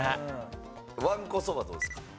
わんこそばどうですか？